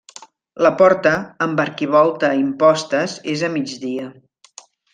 La porta, amb arquivolta i impostes, és a migdia.